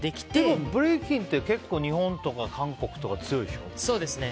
でもブレイキンって結構、日本とか韓国とかそうですね。